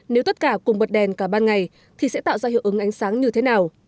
nếu tất cả cùng bật đèn cả ban ngày thì sẽ tạo ra hiệu ứng ánh sáng như thế nào